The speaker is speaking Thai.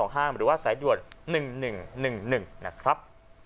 ๐๒๕๗๒๑๕๒๕หรือว่าสายด่วน๑๑๑๑นะครับ